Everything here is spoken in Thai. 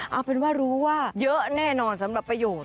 เอาเป็นว่ารู้ว่าเยอะแน่นอนสำหรับประโยชน์